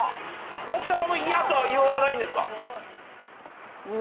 奥さまも嫌とは言わないんです？